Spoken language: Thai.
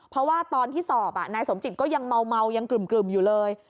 เพราะว่าตอนที่สอบนายสมจิตก็ยังเมายังกลึ่มอยู่เลย